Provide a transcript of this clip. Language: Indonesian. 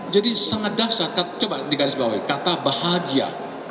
jadi sangat dasar coba dikaris bawah kata bahagia